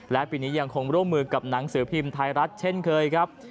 และปีนี้ยังคงร่วมมือกับหนังสือพิมพ์ไทยรัฐเช่นเคยครับ